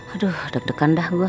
aduh deg degan dah gue